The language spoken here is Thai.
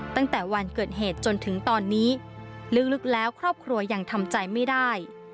ตั้งแต่วันเกิดเหตุจนถึงตอนนี้ลึกแล้วครอบครัวยังทำใจไม่ได้